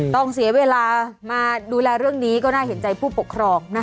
ต้องเสียเวลามาดูแลเรื่องนี้ก็น่าเห็นใจผู้ปกครอง